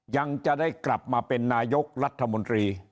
ยังจะได้กลับมาเป็นนายกรัฐมนตรี